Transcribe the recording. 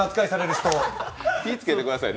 気をつけてくださいね。